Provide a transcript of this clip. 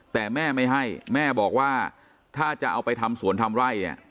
แต่แม่ไม่ให้แม่บอกว่าถ้าจะเอาไปทำสวนทำไร่